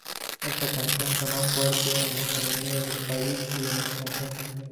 Esta canción sonó fuerte en las emisoras del país y el extranjero.